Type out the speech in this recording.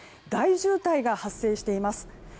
大渋滞が発生しています。